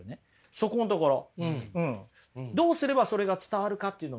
そこんところ。